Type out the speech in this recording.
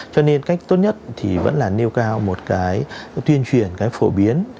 cho nên cách tốt nhất thì vẫn là nêu cao một cái tuyên truyền cái phổ biến